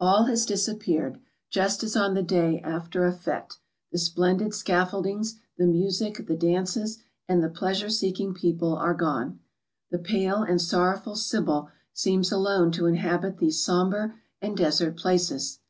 All has disappeared, just as on the day after a fHe^ the splendid scaffoldings, the music, the dances, and the pleasure seeking people, are gone. The pale and sorrowful Sibyl seems alone to inhabit these sombre and desert places.